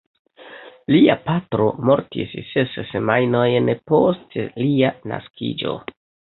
Lia patro mortis ses semajnojn post lia naskiĝo.